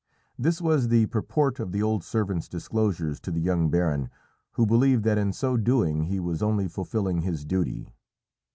This was the purport of the old servant's disclosures to the young baron, who believed that in so doing he was only fulfilling his duty.